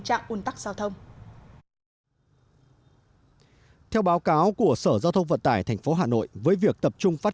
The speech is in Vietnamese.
trạng un tắc giao thông theo báo cáo của sở giao thông vận tải tp hà nội với việc tập trung phát